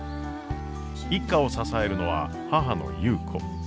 一家を支えるのは母の優子。